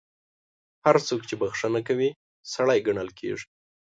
هر څوک چې بخښنه کوي، سړی ګڼل کیږي.